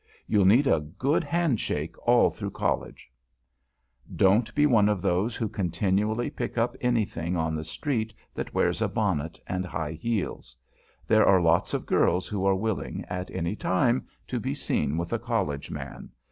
You'll need a good hand shake all through College. [Sidenote: THE WOMAN QUESTION: THE QUESTIONABLE] Don't be one of those who continually pick up anything on the street that wears a bonnet and high heels. There are lots of girls who are willing, at any time, to be seen with a College man.